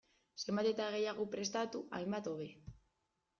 Zenbat eta gehiago prestatu, hainbat hobe.